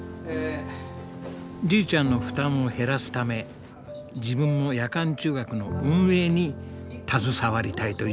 じいちゃんの負担を減らすため自分も夜間中学の運営に携わりたいというのです。